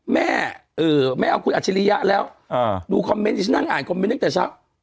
แม่ไม่เอาคุณอัจฉริยะแล้วดูคอมเมนต์ที่ฉันนั่งอ่านคอมเมนต์ตั้งแต่เช้า